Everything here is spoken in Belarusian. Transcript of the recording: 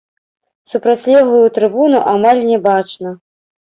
Супрацьлеглую трыбуну амаль не бачна.